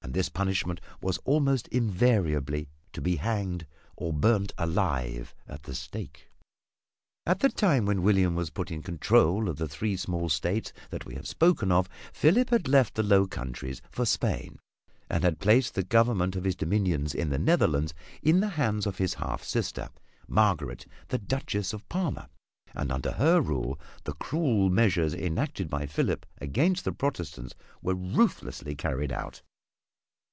And this punishment was almost invariably to be hanged or burned alive at the stake. At the time when William was put in control of the three small states that we have spoken of, Philip had left the Low Countries for Spain, and had placed the government of his dominions in the Netherlands in the hands of his half sister, Margaret the Duchess of Parma, and under her rule the cruel measures enacted by Philip against the Protestants were ruthlessly carried out.